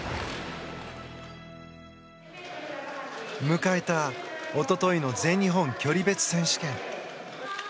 迎えた一昨日の全日本距離別選手権。